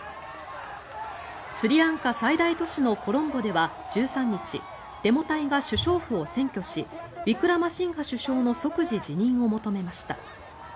スリランカ最大都市のコロンボでは１３日デモ隊が首相府を占拠しウィクラマシンハ首相の即時辞任を求めました。